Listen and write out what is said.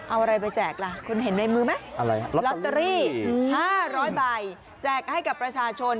เอาอะไรไปแจกล่ะคุณเห็นในมือไหมอะไรครับลอตเตอรี่๕๐๐ใบแจกให้กับประชาชน